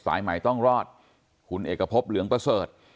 สายใหม่ต้องรอดขุนเอกพรพเหลืองตะเซิร์ด